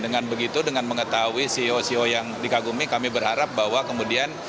dengan begitu dengan mengetahui ceo ceo yang dikagumi kami berharap bahwa kemudian